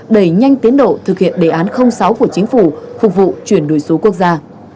đẩy nhanh tiến độ thực hiện đề án sáu của chính phủ phục vụ chuyển đổi số quốc gia